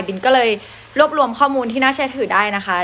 บินก็เลยรวบรวมข้อมูลที่น่าเชื่อถือได้นะคะ